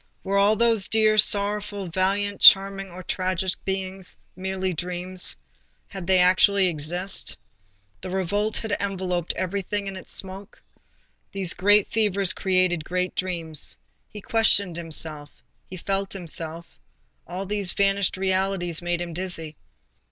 Were all those dear, sorrowful, valiant, charming or tragic beings merely dreams? had they actually existed? The revolt had enveloped everything in its smoke. These great fevers create great dreams. He questioned himself; he felt himself; all these vanished realities made him dizzy.